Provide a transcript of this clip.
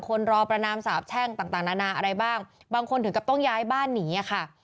รอประนามสาบแช่งต่างนานาอะไรบ้างบางคนถึงกับต้องย้ายบ้านหนีอะค่ะ